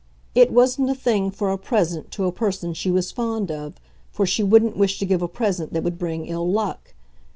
It wasn't a thing for a present to a person she was fond of, for she wouldn't wish to give a present that would bring ill luck.